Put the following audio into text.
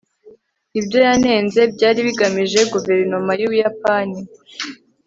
ibyo yanenze byari bigamije guverinoma y'ubuyapani